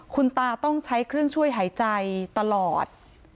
คุณตาต้องใช้เครื่องช่วยหายใจตลอด